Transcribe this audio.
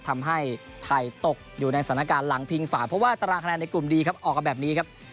ทำให้ไทยตกอยู่ในสถานการณ์หลังพิงฝ่าเพราะว่าตารางคะแนนในกลุ่มดีครับออกมาแบบนี้ครับ